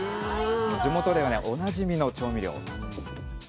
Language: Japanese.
地元ではねおなじみの調味料なんです。